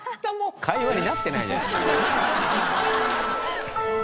会話になってないじゃない。